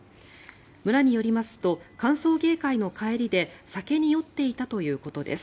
村によりますと歓送迎会の帰りで酒に酔っていたということです。